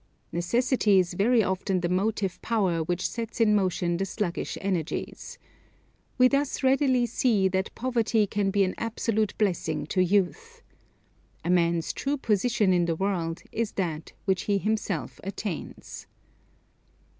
Necessity is very often the motive power which sets in motion the sluggish energies. We thus readily see that poverty can be an absolute blessing to youth. A man's true position in the world is that which he himself attains.